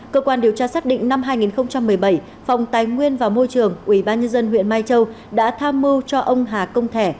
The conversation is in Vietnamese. cơ quan điều tra xác định năm hai nghìn một mươi bảy phòng tài nguyên và môi trường ubnd huyện mai châu đã tham mưu cho ông hà công thẻ